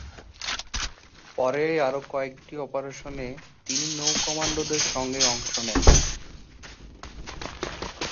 পরে আরও কয়েকটি অপারেশনে তিনি নৌ-কমান্ডোদের সঙ্গে অংশ নেন।